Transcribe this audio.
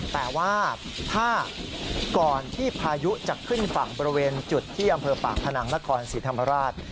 แต่ว่าถ้าก่อนที่พายุจะขึ้นฝั่งบริเวณจุดที่อำเภอปากพนังนครศรีธรรมราช